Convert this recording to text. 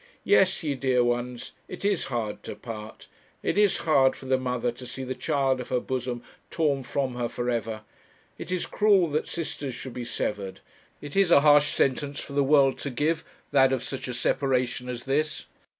Yes, ye dear ones it is hard to part it is hard for the mother to see the child of her bosom torn from her for ever; it is cruel that sisters should be severed: it is a harsh sentence for the world to give, that of such a separation as this.